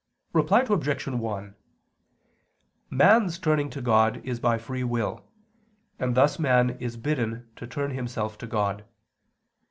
Reply Obj. 1: Man's turning to God is by free will; and thus man is bidden to turn himself to God.